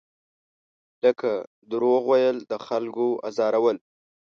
لکه دروغ ویل، د خلکو ازارول.